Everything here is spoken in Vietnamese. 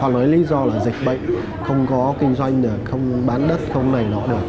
họ nói lý do là dịch bệnh không có kinh doanh không bán đất không này nó được